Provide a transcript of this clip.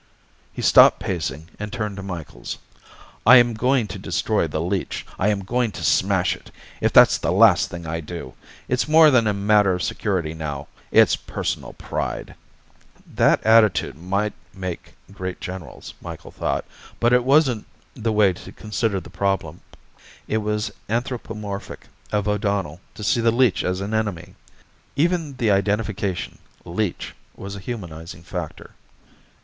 He stopped pacing and turned to Micheals. "I am going to destroy the leech. I am going to smash it, if that's the last thing I do. It's more than a matter of security now. It's personal pride." That attitude might make great generals, Micheals thought, but it wasn't the way to consider this problem. It was anthropomorphic of O'Donnell to see the leech as an enemy. Even the identification, "leech," was a humanizing factor.